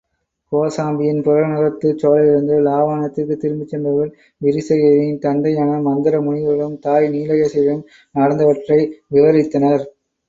கோசாம்பியின் புறநகரத்துச் சோலையிலிருந்து இலாவாணத்திற்குத் திரும்பிச் சென்றவர்கள், விரிசிகையின் தந்தையான மந்தர முனிவரிடமும் தாய் நீலகேசியிடமும் நடந்தவற்றை விவரித்தனர்.